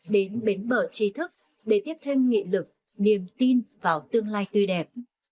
đến bến bờ tri thức để tiếp thêm nghị lực niềm tin vào tương lai tươi đẹp